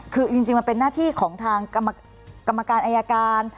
คือจริงมันเป็นหน้าที่ของทางกรรมการอายการ